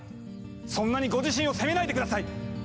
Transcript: そんなにご自身を責めないで下さい！